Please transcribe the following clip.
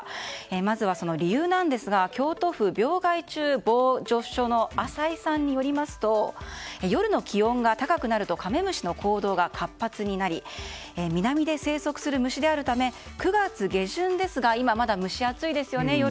まずは、その理由なんですが京都府病害虫防除所の浅井さんによりますと夜の気温が高くなるとカメムシの行動が活発になり南で生息する虫であるため９月下旬ですが、今、夜もまだ蒸し暑いですよね。